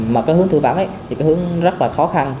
mà cái hướng thư vắng thì cái hướng rất là khó khăn